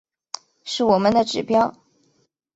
是我们的指标